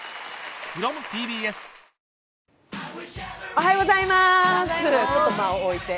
おはようございます。